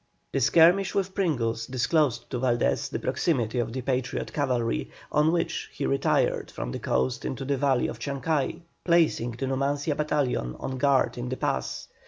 The skirmish with Pringles disclosed to Valdés the proximity of the Patriot cavalry, on which he retired from the coast into the valley of Chancay, placing the Numancia battalion on guard in the pass.